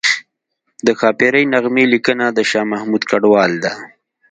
د ښاپیرۍ نغمې لیکنه د شاه محمود کډوال ده